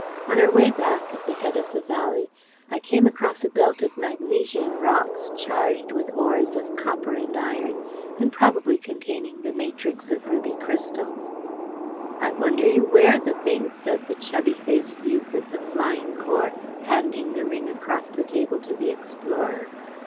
On our way back, at the head of the valley, I came across a belt of magnesian rocks charged with ores of copper and iron, and probably containing the matrix of ruby crystals." "I wonder you wear the thing," said the chubby faced youth of the Flying Corps, handing the ring across the table to the explorer.